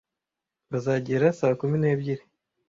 Bazagera saa kumi n'ebyiri,